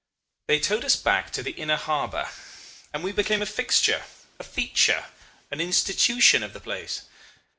"They towed us back to the inner harbour, and we became a fixture, a feature, an institution of the place.